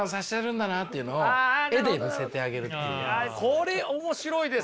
これ面白いですね。